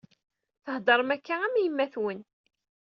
Theddṛem akka am yemma-twen.